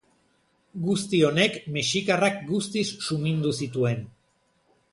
Guzti honek mexikarrak guztiz sumindu zituen.